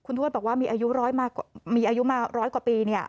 คุณทวดบอกว่ามีอายุมา๑๐๐กว่าปี